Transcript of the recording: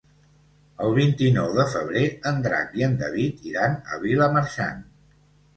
El vint-i-nou de febrer en Drac i en David iran a Vilamarxant.